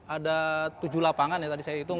ada tujuh lapangan ya tadi saya hitung